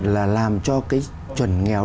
là làm cho cái chuẩn nghèo